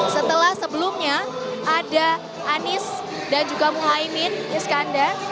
setelah sebelumnya ada anies dan juga muhaymin iskandar